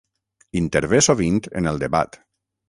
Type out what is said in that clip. Intervé sovint en el debat.